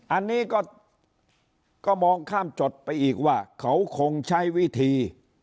อันนี้ก็มองข้ามจดไปอีกว่าเขาคงใช้วิธี